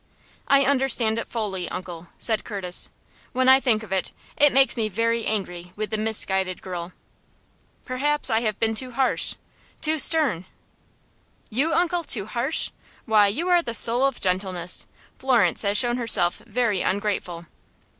"I understand it fully, uncle," said Curtis. "When I think of it, it makes me very angry with the misguided girl." "Perhaps I have been too harsh too stern!" "You, uncle, too harsh! Why, you are the soul of gentleness. Florence has shown herself very ungrateful."